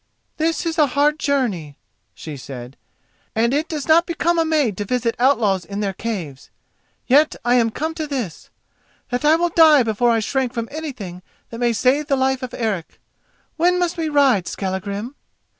"This is a hard journey," she said, "and it does not become a maid to visit outlaws in their caves. Yet I am come to this, that I will die before I shrink from anything that may save the life of Eric. When must we ride, Skallagrim?"